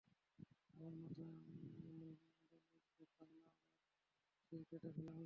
আমার মাথা মুণ্ডানোর ব্যাখ্যা হল, আমার শির কেটে ফেলা হবে।